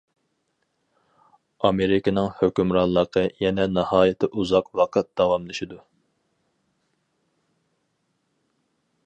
ئامېرىكىنىڭ ھۆكۈمرانلىقى يەنە ناھايىتى ئۇزاق ۋاقىت داۋاملىشىدۇ.